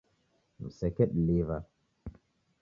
Msekediliw'a